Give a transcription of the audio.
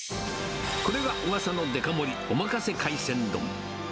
これがうわさのデカ盛り、おまかせ海鮮丼。